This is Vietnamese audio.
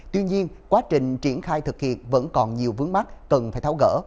tuy nhiên quá trình triển khai thực hiện vẫn còn nhiều vướng mắt cần phải tháo gỡ